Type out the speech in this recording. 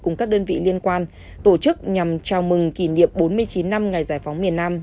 cùng các đơn vị liên quan tổ chức nhằm chào mừng kỷ niệm bốn mươi chín năm ngày giải phóng miền nam